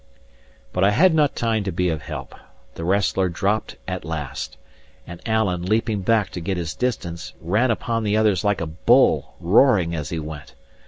But I had not time to be of help. The wrestler dropped at last; and Alan, leaping back to get his distance, ran upon the others like a bull, roaring as he went.